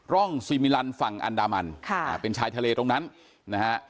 ร่องซีมิลันฝั่งอันดามันค่ะเป็นชายทะเลตรงนั้นนะฮะ